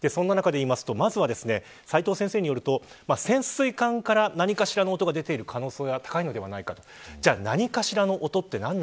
まずは、斎藤先生によると潜水艦から何かしらの音が出ている可能性が高いのではないかと。